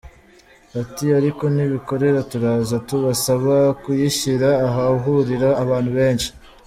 Ati “Ariko n’abikorera turaza kubasaba kuyishyira ahahurira abantu benshi.